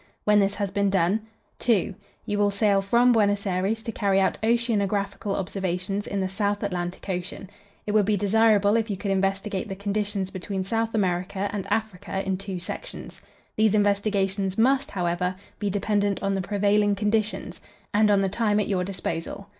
When this has been done, "2. You will sail from Buenos Aires to carry out oceanographical observations in the South Atlantic Ocean. It would be desirable if you could investigate the conditions between South America and Africa in two sections. These investigations must, however, be dependent on the prevailing conditions, and on the time at your disposal.